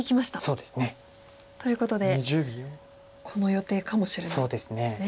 そうですね。ということでこの予定かもしれないんですね。